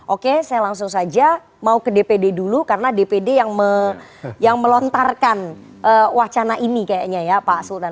oke saya langsung saja mau ke dpd dulu karena dpd yang melontarkan wacana ini kayaknya ya pak sultan